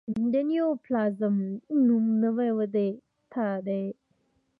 د نیوپلازم نوم نوي ودې ته دی.